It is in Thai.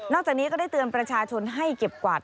จากนี้ก็ได้เตือนประชาชนให้เก็บกวาด